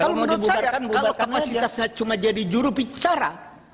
kalau menurut saya kalau kapasitasnya cuma jadi juru bicara